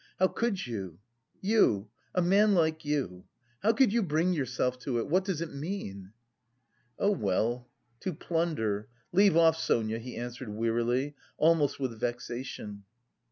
"How could you, you, a man like you.... How could you bring yourself to it?... What does it mean?" "Oh, well to plunder. Leave off, Sonia," he answered wearily, almost with vexation.